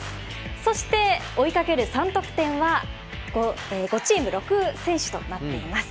そして、追いかける３得点は５チーム、６選手となっています。